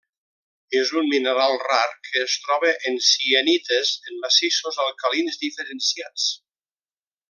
És un mineral rar que es troba en sienites en massissos alcalins diferenciats.